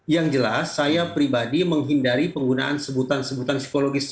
yang jelas saya pribadi menghindari penggunaan sebutan sebutan psikologis